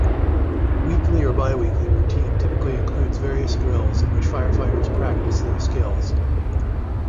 Weekly or bi-weekly routine typically includes various drills in which firefighters practice their skills.